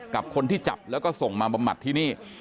กับคนที่จับแล้วก็ส่งมาบำบัดที่นี่